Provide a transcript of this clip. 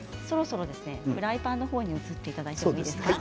フライパンに移っていただいてもいいですか。